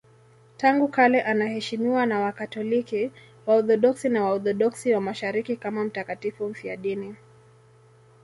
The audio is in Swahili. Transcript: Tangu kale anaheshimiwa na Wakatoliki, Waorthodoksi na Waorthodoksi wa Mashariki kama mtakatifu mfiadini.